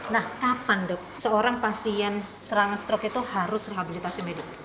nah kapan dok seorang pasien serangan stroke itu harus rehabilitasi medik